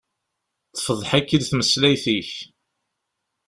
Tefḍeḥ-ik-id tmeslayt-ik.